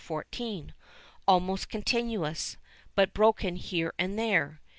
14 almost continuous, but broken here and there.